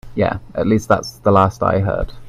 Yeah, at least that's the last I heard.